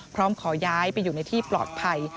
พร้อมขอย้ายไปอยู่ในที่ปลอดภัย